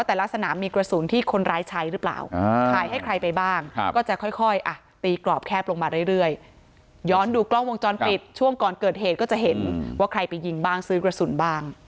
ตีกรอบแคบลงมาเรื่อยย้อนดูกล้องวงจรปิดช่วงก่อนเกิดเหตุก็จะเห็นว่าใครไปยิงบ้างซื้อกระสุนบ้าง